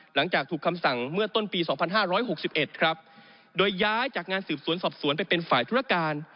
หลังจากถูกคำสั่งเมื่อต้นปี๒๕๖๑ครับโดยย้ายจากงานสืบสวนสอบสวนไปเป็นฝ่ายธุรการ